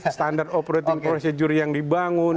standar operating procedure yang dibangun